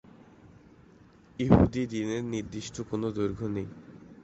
ইহুদি দিনের নির্দিষ্ট কোন দৈর্ঘ্য নেই।